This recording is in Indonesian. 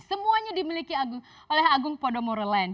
semuanya dimiliki oleh agung podomoro land